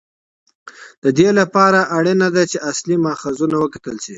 د دې لپاره اړینه ده چې اصلي ماخذونه وکتل شي.